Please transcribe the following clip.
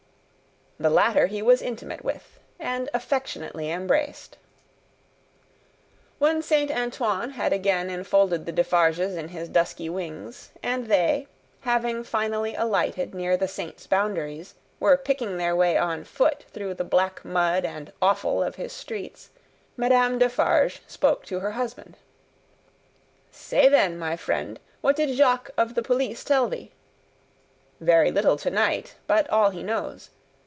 The latter he was intimate with, and affectionately embraced. When Saint Antoine had again enfolded the Defarges in his dusky wings, and they, having finally alighted near the Saint's boundaries, were picking their way on foot through the black mud and offal of his streets, Madame Defarge spoke to her husband: "Say then, my friend; what did Jacques of the police tell thee?" "Very little to night, but all he knows.